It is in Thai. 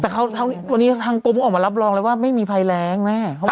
แต่เขาวันนี้ทางกรมก็ออกมารับรองเลยว่าไม่มีภัยแรงแม่